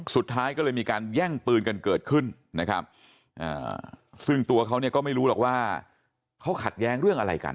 สุดท้ายก็เลยมีการแย่งปืนกันเกิดขึ้นนะครับซึ่งตัวเขาเนี่ยก็ไม่รู้หรอกว่าเขาขัดแย้งเรื่องอะไรกัน